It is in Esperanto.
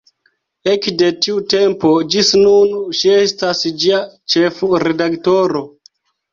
Ekde tiu tempo ĝis nun ŝi estas ĝia ĉefredaktoro.